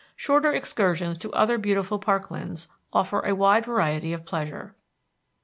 Shorter excursions to other beautiful park lands offer a wide variety of pleasure.